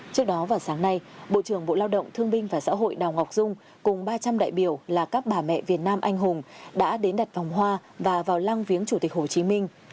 trước đó vào sáng nay bộ trưởng bộ lao động thương binh và xã hội đào ngọc dung cùng ba trăm linh đại biểu là các bà mẹ việt nam anh hùng đã đến đặt vòng hoa và vào lang viếng chủ tịch hồ chí minh